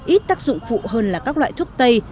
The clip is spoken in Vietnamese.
ít tác dụng phụ hơn là các loại thuốc tây